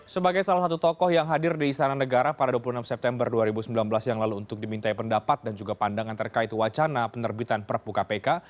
sebagai salah satu tokoh yang hadir di istana negara pada dua puluh enam september dua ribu sembilan belas yang lalu untuk dimintai pendapat dan juga pandangan terkait wacana penerbitan perpu kpk